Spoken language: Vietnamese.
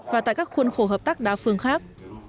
và tại các khuôn khổ hợp tác đa phương khác